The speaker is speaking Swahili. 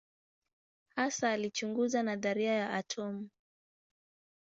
Hasa alichunguza nadharia ya atomu.